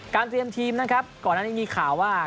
เตรียมทีมนะครับก่อนอันนี้มีข่าวว่า